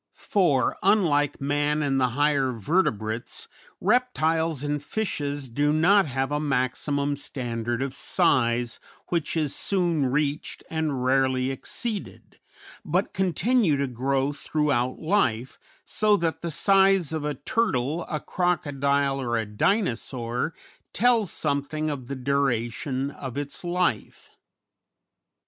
For, unlike man and the higher vertebrates, reptiles and fishes do not have a maximum standard of size which is soon reached and rarely exceeded, but continue to grow throughout life, so that the size of a turtle, a crocodile, or a Dinosaur tells something of the duration of its life.